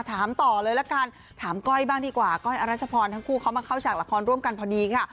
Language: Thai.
ถามต่อเลยละกันถามก้อยบ้างดีกว่าก้อยอรัชพรทั้งคู่เขามาเข้าฉากละครร่วมกันพอดีค่ะ